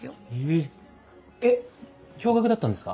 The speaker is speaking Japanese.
ええっ共学だったんですか？